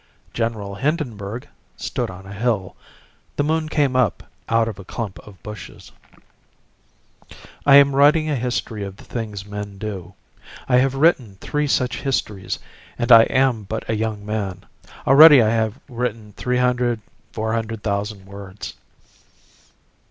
General Hindenburg stood on a hill. The moon came up out of a clump of bushes. I am writing a history of the things men do. I have written three such histories and I am but a young man. Already I have written three hundred, four hundred thousand words.